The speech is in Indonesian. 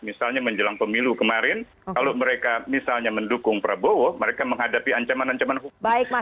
misalnya menjelang pemilu kemarin kalau mereka misalnya mendukung prabowo mereka menghadapi ancaman ancaman hukum